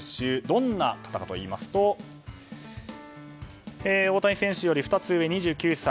どんな方なのかといいますと大谷選手より２つ上、２９歳。